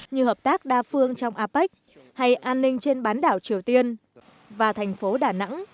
như hợp tác đa phương trong apec hay an ninh trên bán đảo triều tiên và thành phố đà nẵng